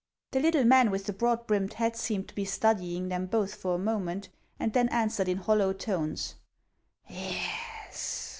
The little man with the broad brimmed hat seemed to be studying them both for a moment, and then answered in hollow tones :" Yes."